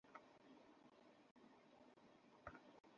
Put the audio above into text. জালিম রাজা তথায় আগমন করে।